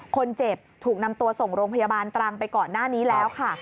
คนเจ็บถูกนำตัวส่งโรงพยาบาลตรังไปก่อนหน้านี้แล้วค่ะ